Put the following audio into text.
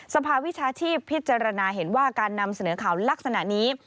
สภาวิชาชีพพิจารณาเห็นว่าการนำเสนอข่าวลักษณะนี้